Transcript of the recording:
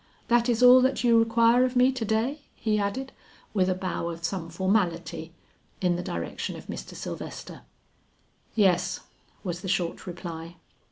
That is all that you require of me to day?" he added, with a bow of some formality in the direction of Mr. Sylvester. "Yes," was the short reply.